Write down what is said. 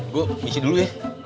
gue ngisi dulu ya